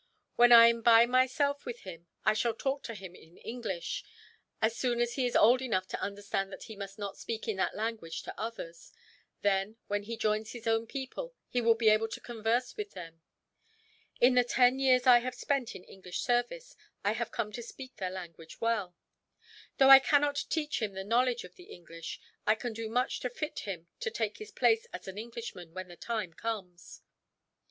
When I am by myself with him, I shall talk to him in English, as soon as he is old enough to understand that he must not speak in that language to others; then, when he joins his own people, he will be able to converse with them. In the ten years I have spent in English service I have come to speak their language well. Though I cannot teach him the knowledge of the English, I can do much to fit him to take his place as an Englishman, when the time comes."